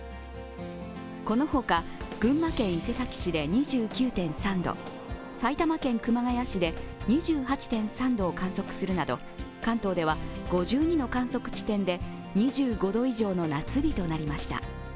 このほか、群馬県伊勢崎市で２９．３度埼玉県熊谷市で２８．３度を観測するなど、関東では５２の観測地点で２５度以上の夏日となりました。